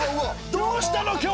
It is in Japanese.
どうしたの今日？